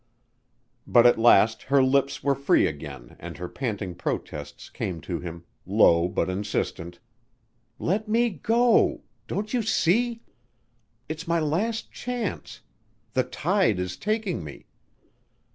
But at last her lips were free again and her panting protests came to him, low but insistent. "Let me go don't you see?... It's my last chance.... The tide is taking me."